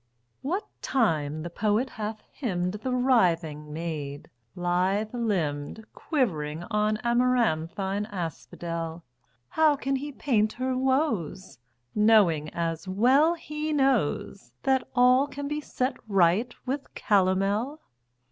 What time the poet hath hymned The writhing maid, lithe limbed, Quivering on amaranthine asphodel, How can he paint her woes, Knowing, as well he knows, That all can be set right with calomel?